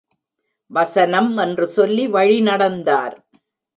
வசனம் என்று சொல்லி வழிநடந்தார்.